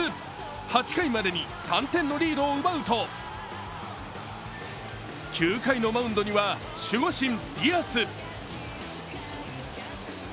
８回までに３点のリードを奪うと、９回のマウンドには守護神・ディアス。